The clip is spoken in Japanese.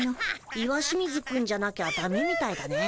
石清水くんじゃなきゃダメみたいだね。